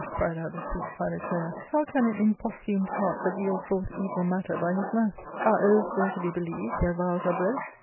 cried out the sweet Philoclea; "how can an imposthumed* heart but yield forth evil matter by his mouth ? Are oaths there to be believed where vows are broke